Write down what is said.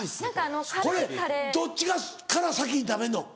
これどっちから先に食べんの？